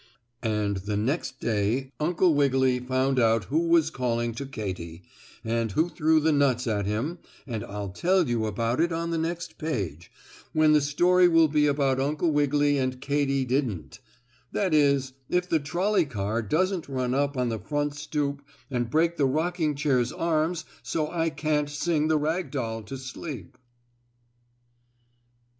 And the next day Uncle Wiggily found out who was calling to Katy, and who threw the nuts at him, and I'll tell you about it on the next page, when the story will be about Uncle Wiggily and Katy Didn't that is, if the trolley car doesn't run up on the front stoop and break the rocking chair's arms so I can't sing the rag doll to sleep.